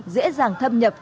dễ dàng thâm nhập